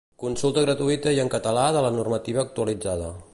Consulta gratuïta i en català de la normativa actualitzada.